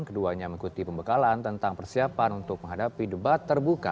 keduanya mengikuti pembekalan tentang persiapan untuk menghadapi debat terbuka